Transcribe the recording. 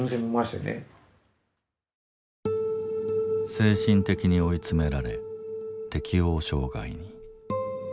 精神的に追い詰められ適応障害に。